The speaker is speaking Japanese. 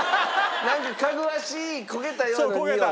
なんかかぐわしい焦げたようなにおい。